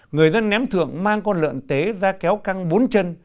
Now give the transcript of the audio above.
người dân ném thượng mang con lợn tế ra kéo căng bốn chân